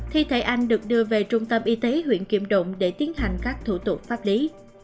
thi thể anh được đưa về trung tâm y tế huyện kim động để tiến hành các thủ tục pháp lý